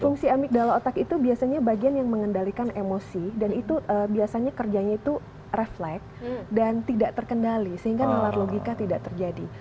fungsi amigdala otak itu biasanya bagian yang mengendalikan emosi dan itu biasanya kerjanya itu refleks dan tidak terkendali sehingga nalar logika tidak terjadi